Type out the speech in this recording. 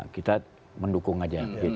kita mendukung aja